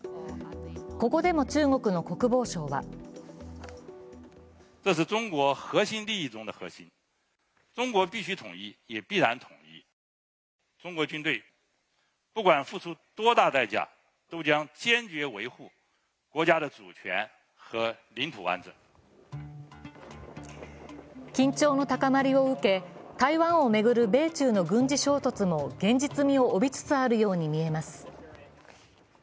ここでも中国の国防相は緊張の高まりを受け、台湾を巡る米中の軍事衝突も現実味を帯びつつあるようにみえます。